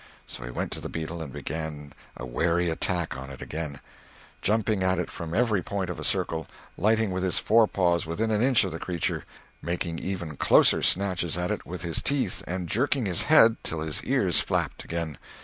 So he went to the beetle and began a wary attack on it again; jumping at it from every point of a circle, lighting with his fore paws within an inch of the creature, making even closer snatches at it with his teeth, and jerking his head till his ears flapped again.